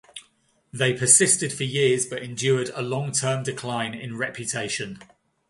They persisted for years, but endured a long-term decline in reputation.